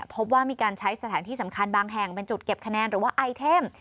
พบว่ามีการใช้สถานที่สำคัญบางแห่งเป็นจุดเก็บคะแนนหรือว่าไอเทม